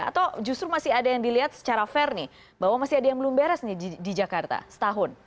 atau justru masih ada yang dilihat secara fair nih bahwa masih ada yang belum beres nih di jakarta setahun